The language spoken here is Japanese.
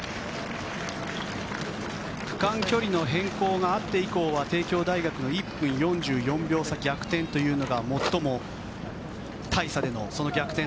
区間距離の変更があって以降は帝京大学の１分４４秒差逆転というのが最も大差での逆転